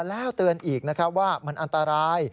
แล้วเตือนอีกว่ามันอันตราย